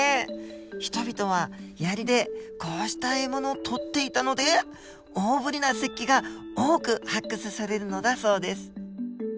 人々は槍でこうした獲物を取っていたので大ぶりな石器が多く発掘されるのだそうです。